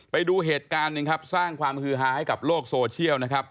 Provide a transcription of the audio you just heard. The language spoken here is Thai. ไปดูเหตุการณ์นึงสร้างความคือฮ้ายกับโลกโซเชียล